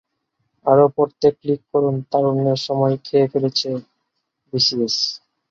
আরও পড়তে ক্লিক করুনতারুণ্যের সময় খেয়ে ফেলছে বিসিএস